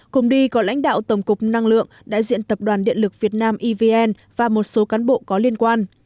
cùng đi có lãnh đạo tổng cục năng lượng đại diện tập đoàn điện lực việt nam evn và một số cán bộ có liên quan